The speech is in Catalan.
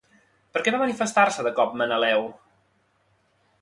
Per què va manifestar-se de cop Meneleu?